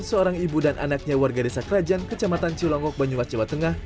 seorang ibu dan anaknya warga desa kerajan kecamatan cilangok banyuwa jawa tengah